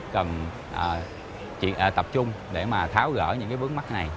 cần tập trung để mà tháo gỡ những vướng mắt này